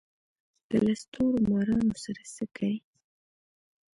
د لستوڼو مارانو سره څه کئ.